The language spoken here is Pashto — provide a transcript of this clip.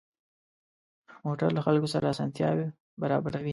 موټر له خلکو سره اسانتیا برابروي.